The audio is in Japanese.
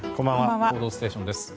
「報道ステーション」です。